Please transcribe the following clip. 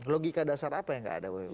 logika dasar apa yang nggak ada w w